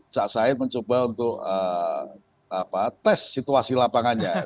saya mencoba untuk tes situasi lapangannya